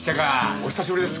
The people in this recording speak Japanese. お久しぶりです